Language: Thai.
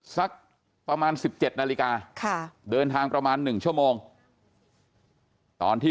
สักประมาณ๑๗นาฬิกาค่ะเดินทางประมาณ๑ชั่วโมงตอนที่